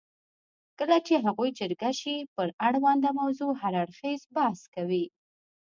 کله چې هغوی جرګه شي پر اړونده موضوع هر اړخیز بحث کوي.